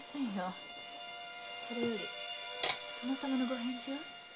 それより殿さまのご返事は？